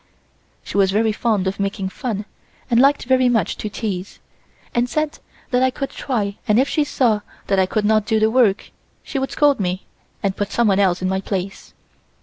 She was very fond of making fun and liked very much to tease, and said that I could try and if she saw that I could not do the work, she would scold me and put someone else in my place.